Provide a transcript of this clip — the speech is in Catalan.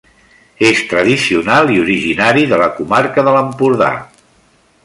És tradicional i originari de la comarca de l'Empordà.